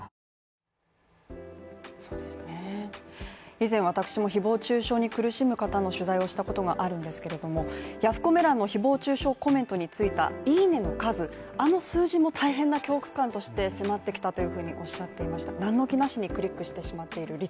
以前私も誹謗中傷に苦しむ方の取材をしたことがあるんですけれども、ヤフコメ欄の誹謗中傷コメントについたいいねの数あの数字も大変な恐怖感として迫ってきたというふうにおっしゃっていました。